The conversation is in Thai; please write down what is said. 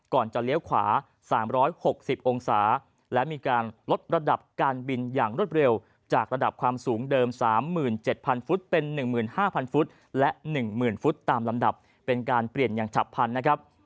จะเลี้ยวขวา๓๖๐องศาและมีการลดระดับการบินอย่างรวดเร็วจากระดับความสูงเดิม๓๗๐๐ฟุตเป็น๑๕๐๐ฟุตและ๑๐๐๐ฟุตตามลำดับเป็นการเปลี่ยนอย่างฉับพันธุ์นะครับ